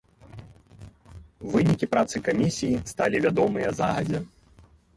Вынікі працы камісіі сталі вядомыя загадзя.